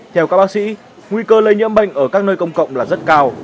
theo các bác sĩ nguy cơ lây nhiễm bệnh ở các nơi công cộng là rất cao